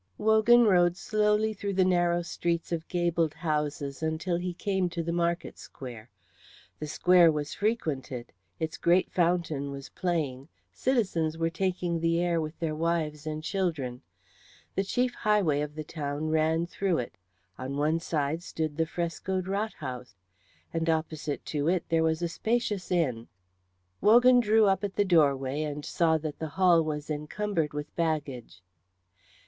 Wogan rode slowly through the narrow streets of gabled houses until he came to the market square. The square was frequented; its great fountain was playing; citizens were taking the air with their wives and children; the chief highway of the town ran through it; on one side stood the frescoed Rathhaus, and opposite to it there was a spacious inn. Wogan drew up at the doorway and saw that the hall was encumbered with baggage.